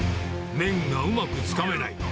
麺がうまくつかめない。